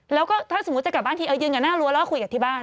แล้วก็ถ้าสมมุติจะกลับบ้านทีเออยืนกันหน้ารั้วแล้วคุยกับที่บ้าน